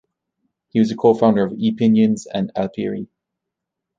He was a co-founder of Epinions and Alpiri.